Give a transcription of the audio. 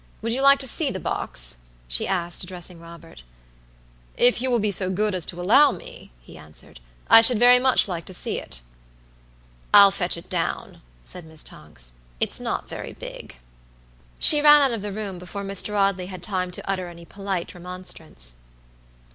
Would you like to see the box?" she asked, addressing Robert. "If you will be so good as to allow me," he answered, "I should very much like to see it." "I'll fetch it down," said Miss Tonks. "It's not very big." She ran out of the room before Mr. Audley had time to utter any polite remonstrance.